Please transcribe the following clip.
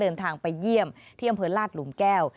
เดินทางไปเยี่ยมที่อำเภอลาดหลุมแก้ว